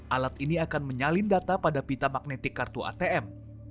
alat ini akan menyalin data pada pita magnetik kartu atm